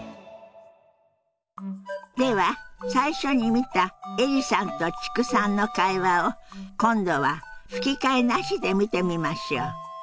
では最初に見たエリさんと知久さんの会話を今度は吹き替えなしで見てみましょう。